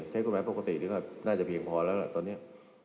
เทศกุณะแม้ปกติน่าจะเพียงพอแล้วแหละตอนนี้